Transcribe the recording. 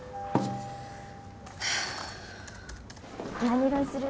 何色にする？